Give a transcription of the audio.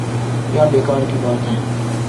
کیا بیکار کی بات ہے۔